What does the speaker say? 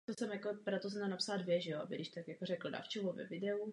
Ta však není jedinou obětí totalitních vlád.